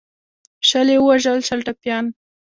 شل یې ووژل شل ټپیان.